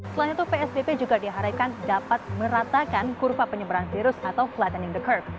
selain itu psbb juga diharapkan dapat meratakan kurva penyebaran virus atau flattening the curve